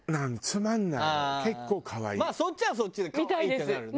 まあそっちはそっちで「可愛い！」ってなるよね。